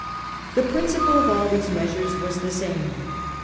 The principle of all these measures was the same.